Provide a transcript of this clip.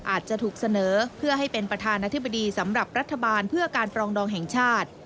อาจจะถูกเสนอเพื่อให้เป็นประธานาธิบดีสำหรับรัฐบาลเพื่อการปรองดองแห่งชาติ